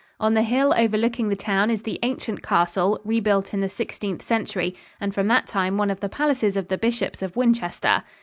On the hill overlooking the town is the ancient castle, rebuilt in the Sixteenth Century and from that time one of the palaces of the bishops of Winchester.